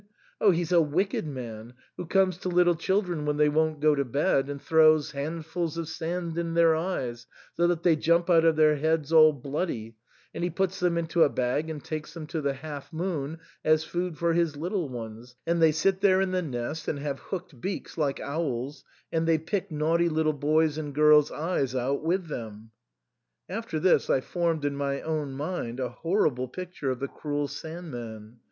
" Oh ! he's a wicked man, who comes to little children when they won't go to bed and throws handfuls of sand in their eyes, so that they jump out of their heads all bloody ; and he puts them into a bag and takes them to the half moon as food for his little ones ; and they sit there in the nest and have hooked beaks like owls, and they pick naughty little boys* and girls* e3res out with them.*' After this I formed in my own mind a horrible picture of the cruel Sand man.